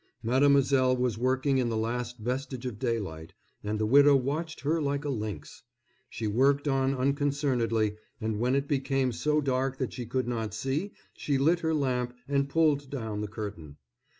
Mademoiselle was working in the last vestige of daylight, and the widow watched her like a lynx. She worked on unconcernedly, and when it became so dark that she could not see she lit her lamp and pulled down the curtain.